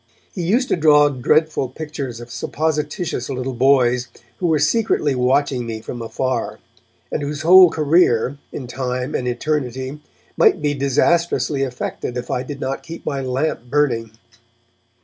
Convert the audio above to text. He used to draw dreadful pictures of supposititious little boys who were secretly watching me from afar, and whose whole career, in time and in eternity, might be disastrously affected if I did not keep my lamp burning.